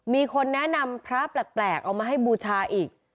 มีคนแนะนำพระแปลกเอามาให้บูชาอีก